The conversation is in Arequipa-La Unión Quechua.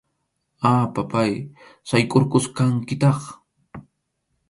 A, papáy, saykʼurqusqankitaq.